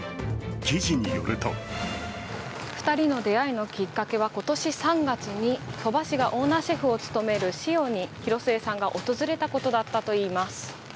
記事によると２人の出会いはきっかけは、今年３月に鳥羽氏がオーナーシェフが務めるｓｉｏに広末さんが訪れたことだったといいます。